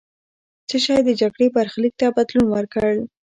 څه شی د جګړې برخلیک ته بدلون ورکړ؟